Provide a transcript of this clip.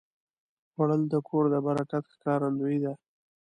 خوړل د کور د برکت ښکارندویي ده